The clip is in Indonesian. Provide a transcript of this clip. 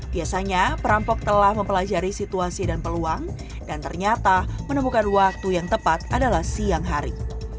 biasanya perampok telah mempelajari situasi dan peluang dan ternyata menemukan waktu yang tepat adalah siang hari